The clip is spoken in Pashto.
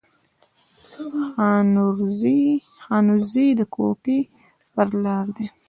خانوزۍ د کوټي پر لار ده